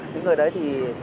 những người đấy thì